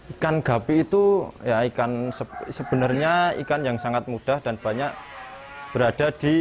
ikan gupi itu ikan yang sangat mudah dan banyak berada di